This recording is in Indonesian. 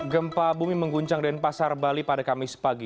gempa bumi mengguncang di pasar bali pada kamis pagi